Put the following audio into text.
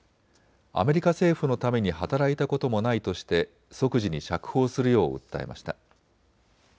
アメリカ政府のために働いたこともないとして即時に釈放するよう訴えました。